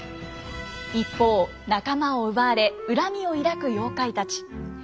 一方仲間を奪われ恨みを抱く妖怪たち。